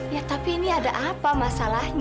ya tapi ini ada apa masalahnya